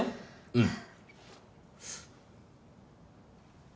うん。